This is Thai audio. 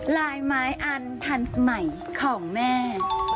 ลายไม้อันทันสมัยของแม่